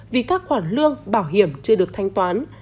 vì các khoản lương bảo hiểm chưa được thanh toán